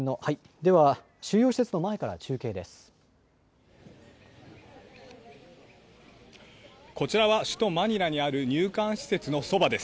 では、収容施設の前から中継です。